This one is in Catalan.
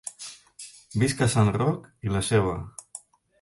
Visca sant Roc i la ceba.